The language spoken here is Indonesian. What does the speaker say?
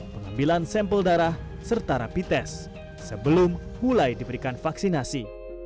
pengambilan sampel darah serta rapi tes sebelum mulai diberikan vaksinasi